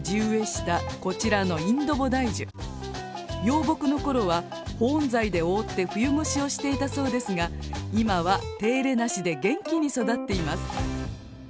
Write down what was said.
幼木の頃は保温材で覆って冬越しをしていたそうですが今は手入れなしで元気に育っています。